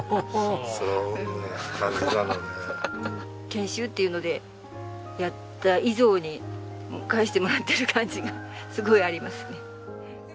研修っていうのでやった以上に返してもらってる感じがすごいありますね。